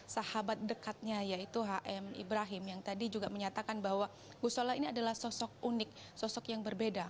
sahabat dekatnya yaitu hm ibrahim yang tadi juga menyatakan bahwa gusola ini adalah sosok unik sosok yang berbeda